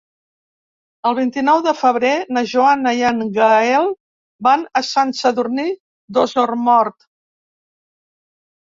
El vint-i-nou de febrer na Joana i en Gaël van a Sant Sadurní d'Osormort.